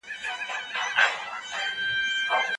نه یوازي تاریخ بلکي اقتصاد هم مهم دی.